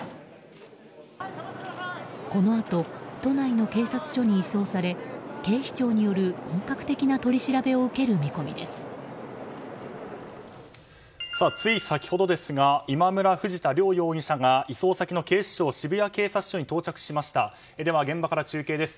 このあと都内の警察署に移送され警視庁による本格的な取り調べを受ける見込みです。